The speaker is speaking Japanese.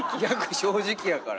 正直やから。